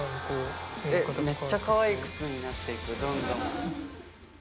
めっちゃかわいい靴になって行くどんどん。